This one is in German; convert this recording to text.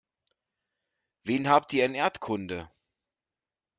Wen habt ihr in Erdkunde?